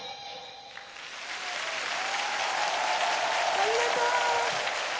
ありがとう！